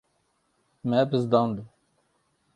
Me bizdand.